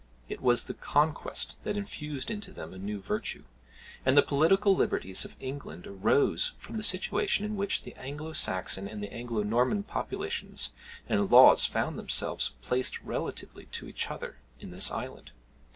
It was the Conquest that infused into them a new virtue; and the political liberties of England arose from the situation in which the Anglo Saxon and the Anglo Norman populations and laws found themselves placed relatively to each other in this island.